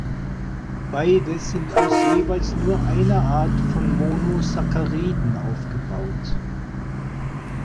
Beide sind aus jeweils nur einer Art von Monosacchariden aufgebaut.